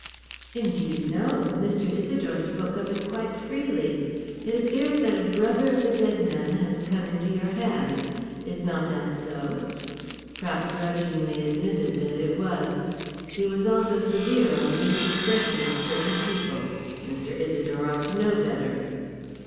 "Indeed, no. Mr. Isidore spoke of it quite freely. It appears that a brother of the dead man has come into your hands. Is not that so?" Prout grudgingly admitted that it was. He was also severe on the indiscretion of certain people. Mr. Isidore ought to know better.